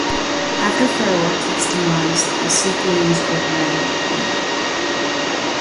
After Phraortes' demise, the Scythians overran Media.